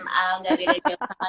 gak beda jauh sama kion kan